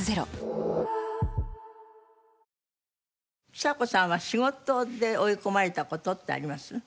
ちさ子さんは仕事で追い込まれた事ってあります？